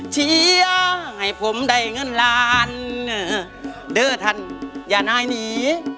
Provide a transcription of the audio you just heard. เชียร์ให้ผมได้เงินล้านเด้อท่านอย่านายหนี